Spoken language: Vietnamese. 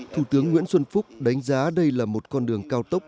thủ tướng nguyễn xuân phúc đánh giá đây là một con đường cao tốc